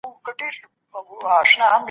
تاسو د رڼا په لور حرکت کړی و.